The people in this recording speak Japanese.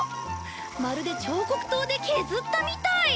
まるで彫刻刀で削ったみたい！